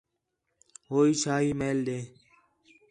ہوئی شاہی محل ݙے